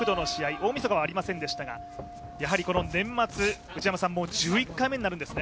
大みそかはありませんでしたがやはりこの年末、もう１１回目になるんですね。